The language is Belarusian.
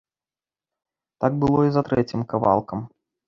Так было і за трэцім кавалкам.